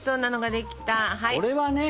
これはね！